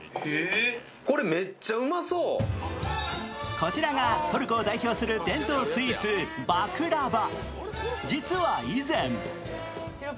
こちらが、トルコを代表する伝統スイーツバクラヴァ。